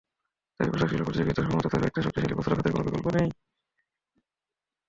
তাই পোশাকশিল্পের প্রতিযোগিতা সক্ষমতা ধরে রাখতে শক্তিশালী বস্ত্র খাতের কোনো বিকল্প নেই।